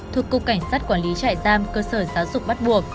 thuộc cục cảnh sát quản lý trại giam cơ sở giáo dục bắt buộc